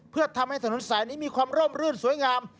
เพื่อทำให้ถนนสายนี้มีความร่มรื่นสวยงาม